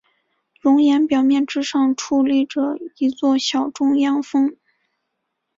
熔岩表面之上矗立着一座小中央峰。